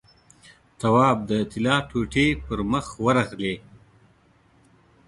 تواب د طلا ټوټې پر مخ ورغلې.